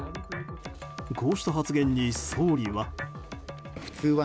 こうした発言に総理は。